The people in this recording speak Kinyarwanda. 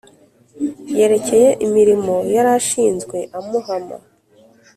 Yerekeye imirimo yari ashinzwe amuhama